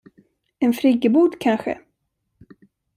En friggebod, kanske?